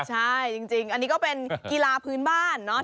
ใช่จริงอันนี้ก็เป็นกีฬาพื้นบ้านเนาะ